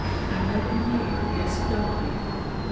Another year is dawning!